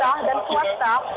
yang berjalan setiap tahun ini